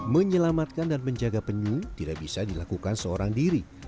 menyelamatkan dan menjaga penyu tidak bisa dilakukan seorang diri